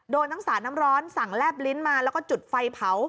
โดนทั้งสารน้ำร้อนสั่งแลบลิ้นมาแล้วก็จุดไฟเผา